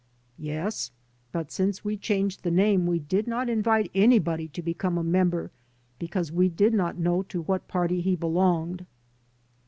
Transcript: "Yes, but since we changed the name we did not invite anybody to become a member because we did not know to what party he belonged."